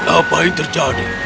apa yang terjadi